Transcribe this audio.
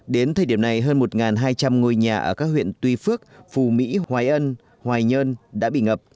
đến thời điểm này hơn một hai trăm linh ngôi nhà ở các huyện tuy phước phù mỹ hoài ân hoài nhơn đã bị ngập